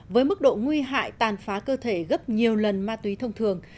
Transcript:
với mức độ nguy hại tàn phá cơ thể gấp nhiều lần ma túy thông thường